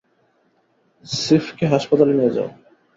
সিফকে হাসপাতালে নিয়ে যাও।